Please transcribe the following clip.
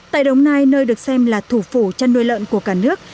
tại đồng nai nơi được xem là thủ phủ chăn nuôi lợn của cả nước